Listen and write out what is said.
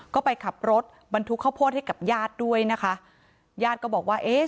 ก็ไปขับรถบรรทุกข้าวโพดให้กับญาติด้วยนะคะญาติก็บอกว่าเอ๊ะ